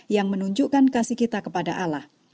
yang menunjukkan kasih kita kepada allah